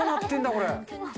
これ。